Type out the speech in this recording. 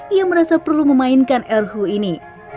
ia merasa perlu memainkan erhu ini